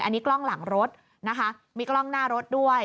อันนี้กล้องหลังรถนะคะมีกล้องหน้ารถด้วย